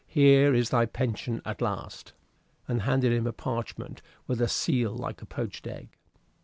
Here is thy pension at last;" and handed him a parchment with a seal like a poached egg.